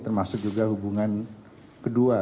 termasuk juga hubungan kedua